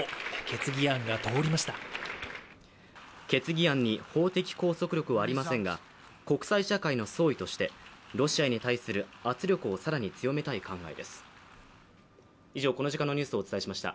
決議案に法的拘束力はありませんが、国際社会の総意としてロシアに対する圧力を更に強めたい考えです。